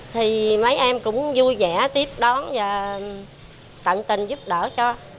chúng tôi cũng vui vẻ tiếp đón và tận tình giúp đỡ cho